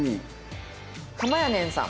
「はまやねんさん」